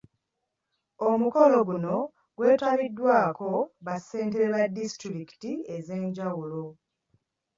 Omukolo guno gwetabiddwako bassentebe ba disitulikiti ez'enjawulo